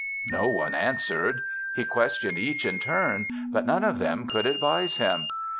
No one answered. He questioned each in turn, but none of them could advise him.